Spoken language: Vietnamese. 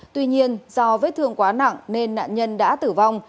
tuy nhiên do vết thương quá nặng nên nạn nhân đã tử vong